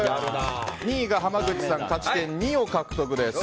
２位が濱口さん勝ち点２を獲得です。